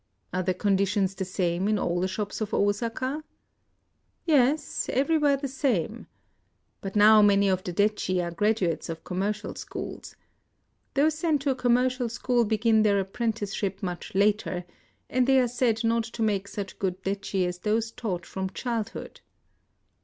"Are the conditions the same in all the shops of Osaka?" ' Yes, — everywhere the same. But now 182 IN OSAKA many of tlie detchi are graduates of commer cial schools. Those sent to a commercial school begin their apprenticeship much later ; and they are said not to make such good detchi as those taught from childhood."